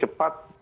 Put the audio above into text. dalam waktu itu